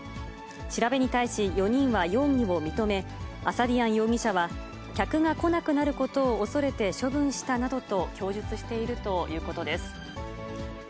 調べに対し４人は容疑を認め、アサディアン容疑者は、客が来なくなることを恐れて処分したなどと供述しているということです。